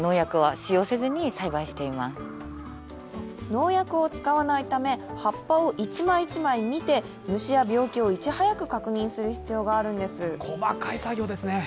農薬を使わないため、葉っぱを一枚一枚見て、虫や病気をいち早く確認する必要があるんです。